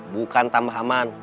bukan tambah aman